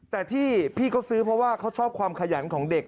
แต่ที่พี่เขาซื้อเพราะว่าเขาชอบความขยันของเด็ก